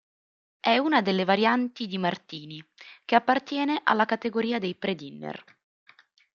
È una delle varianti di Martini, che appartiene alla categoria dei pre-dinner.